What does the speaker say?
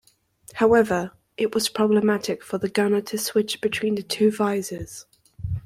However, it was problematic for the gunner to switch between the two visors.